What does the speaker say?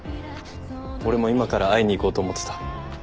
俺も今から会いに行こうと思ってた。